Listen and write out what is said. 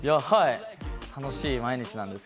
楽しい毎日です。